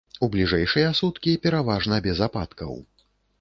У бліжэйшыя суткі пераважна без ападкаў.